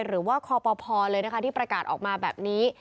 หรือว่าคอปภเลยนะคะที่ประกาศออกมาแบบนี้